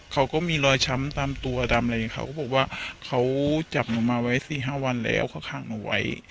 เขาก็มีรอยช้ำตามตัวตามอะไรอย่างนี้เขาก็บอกว่าเขาจับหนูมาไว้๔๕วันแล้วเขาข้างหนูไว้